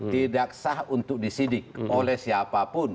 tidak sah untuk disidik oleh siapapun